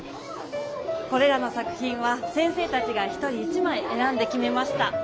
これらの作品は先生たちが一人一まいえらんできめました。